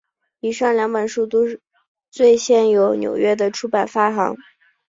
以上两本书都最先由纽约的出版发行。